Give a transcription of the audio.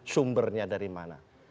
sumbernya dari mana